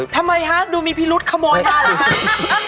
ทำไมฮะดูมีพิรุษขมอยนี่